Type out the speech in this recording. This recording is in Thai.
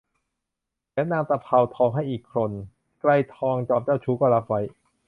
แถมนางตะเภาทองให้อีกคน ไกรทองจอมเจ้าชู้ก็รับไว้